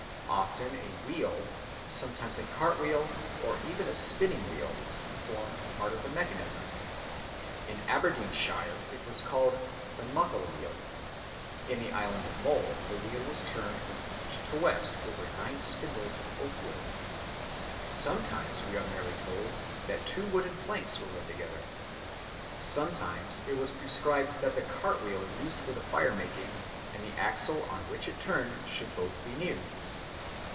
Often a wheel, sometimes a cart wheel or even a spinning wheel, formed part of the mechanism; in Aberdeenshire it was called "the muckle wheel"; in the island of Mull the wheel was turned from east to west over nine spindles of oak wood. Sometimes we are merely told that two wooden planks were rubbed together. Sometimes it was prescribed that the cart wheel used for fire making and the axle on which it turned should both be new.